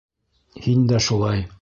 Һин дә шулай!..